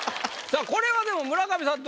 さあこれはでも村上さん